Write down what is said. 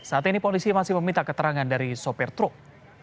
saat ini polisi masih meminta keterangan dari sopir truk